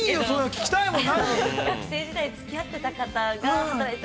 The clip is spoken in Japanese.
聞きたいもん。